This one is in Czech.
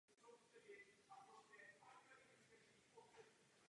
Byl členem sociálně demokratických textilních odborů.